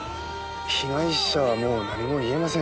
被害者はもう何も言えません。